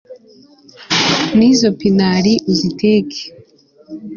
n'izo pinari uziteke